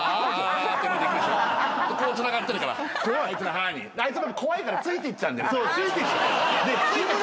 あいつも怖いからついていっちゃうんだよ。